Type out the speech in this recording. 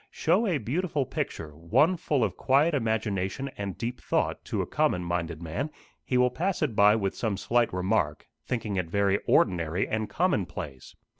Show a beautiful picture, one full of quiet imagination and deep thought, to a common minded man; he will pass it by with some slight remark, thinking it very ordinary and commonplace.